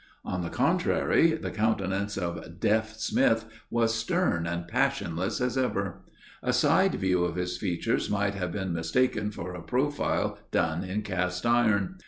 On the contrary, the countenance of Deaf Smith was stern and passionless as ever. A side view of his features might have been mistaken for a profile done in cast iron.